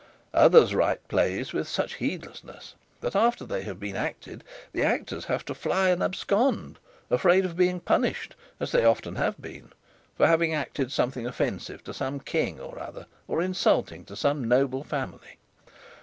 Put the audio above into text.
Others write plays with such heedlessness that, after they have been acted, the actors have to fly and abscond, afraid of being punished, as they often have been, for having acted something offensive to some king or other, or insulting to some noble family.